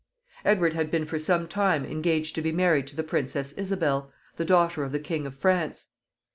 Edward had been for some time engaged to be married to the Princess Isabel, the daughter of the King of France.